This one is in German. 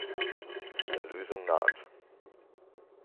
Die Erlösung naht.